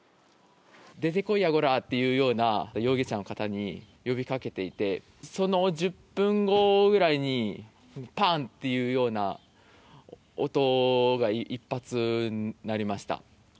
出てこいやこらというような、容疑者の方に、呼びかけていて、その１０分後ぐらいに、ぱーんっていうような音が１発鳴りました。